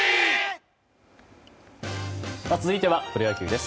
続いてはプロ野球です。